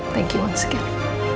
thank you sekali